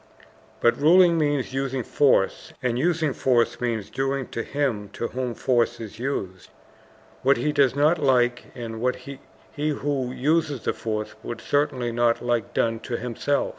But ruling means using force, and using force means doing to him to whom force is used, what he does not like and what he who uses the force would certainly not like done to himself.